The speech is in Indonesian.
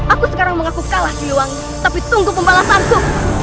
aku sekarang mengaku kalah di wangi tapi tunggu pembalasanku